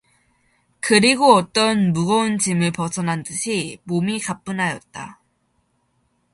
그리고 어떤 무거운 짐을 벗어난 듯이 몸이 가뿐하였다.